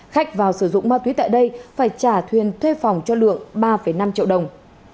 khách vào sử dụng ma túy tại đây phải trả thuyền thuê phòng cho lượng ba năm triệu đồng